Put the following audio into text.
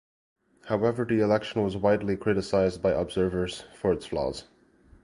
However, the election was widely criticised by observers for its flaws.